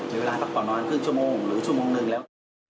เวลาพักผ่อนนอนครึ่งชั่วโมงหรือชั่วโมงนึงแล้ว